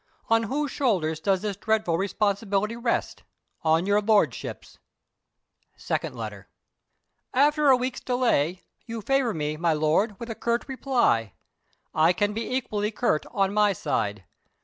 On whose shoulders does this dreadful responsibility rest? On your Lordship's!" Second Letter. "After a week's delay, you favor me, my Lord, with a curt reply. I can be equally curt on my side.